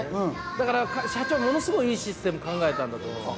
だから社長ものすごいいいシステム考えたんだと思います。